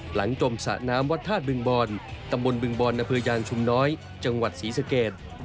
หลังจมสะน้ำวัดธาตุบึงบรตำรวจบึงบรนพยางชุมน้อยจังหวัดศรีสเกต